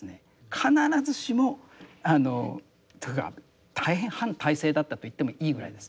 必ずしもあのというか大変反体制だったと言ってもいいぐらいです。